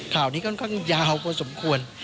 ข่าวนี้ค่อนข้างยาวพอสมควร